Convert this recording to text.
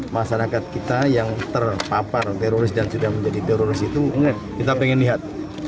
masyarakat kita yang terpapar teroris dan sudah menjadi teroris itu kita pengen lihat